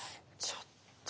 ちょっと。